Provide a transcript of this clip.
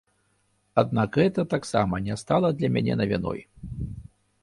Аднак гэта таксама не стала для мяне навіной.